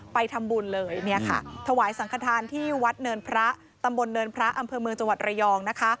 ไปทำบุญเลยเนี่ยค่ะถวายสังขทานที่วัดเนินพระตำบลเนินพระอำเภอเมืองจังหวัดระยองนะคะ